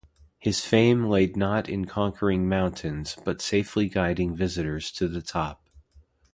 His fame laid not in conquering mountains but safely guiding visitors to the top.